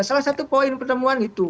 salah satu poin pertemuan itu